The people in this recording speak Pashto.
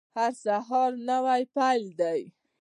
هر سهار نوی پیل دی